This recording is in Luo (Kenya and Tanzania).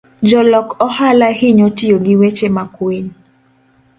Jolok ohala hinyo tiyo gi weche makwiny.